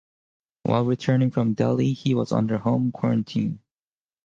While returning from Delhi he was under home quarantine.